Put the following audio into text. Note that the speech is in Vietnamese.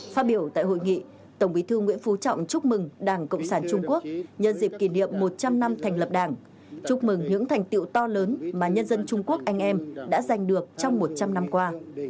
phát biểu tại hội nghị tổng bí thư nguyễn phú trọng chúc mừng đảng cộng sản trung quốc nhân dịp kỷ niệm một trăm linh năm thành lập đảng chúc mừng những thành tiệu to lớn mà nhân dân trung quốc anh em đã giành được trong một trăm linh năm qua